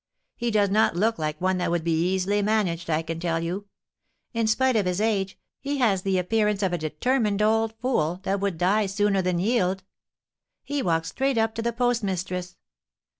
He does not look like one that would be easily managed, I can tell you; and, spite of his age, he has the appearance of a determined old fool that would die sooner than yield. He walked straight up to the postmistress.